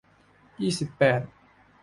ยี่สิบแปด